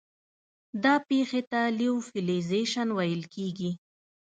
دا پېښې ته لیوفیلیزیشن ویل کیږي.